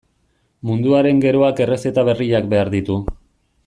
Munduaren geroak errezeta berriak behar ditu.